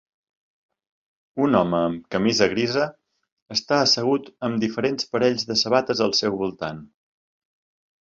Un home amb camisa grisa està assegut amb diferents parells de sabates al seu voltant